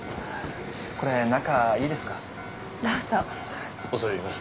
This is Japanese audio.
これ中いいですか？